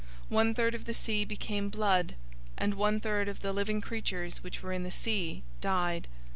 One third of the sea became blood, 008:009 and one third of the living creatures which were in the sea died.